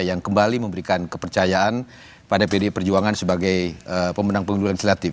yang kembali memberikan kepercayaan pada pdi perjuangan sebagai pemenang pemilu legislatif